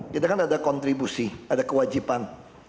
jadi kan ada kontribusi ada kewajiban